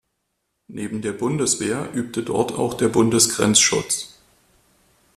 Neben der Bundeswehr übte dort auch der Bundesgrenzschutz.